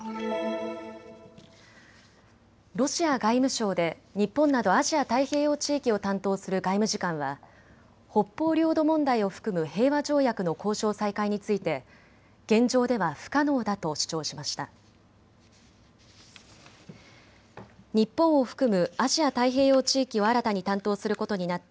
ロシア外務省で日本などアジア太平洋地域を担当する外務次官は北方領土問題を含む平和条約の交渉再開について現状では不可能だと主張しました。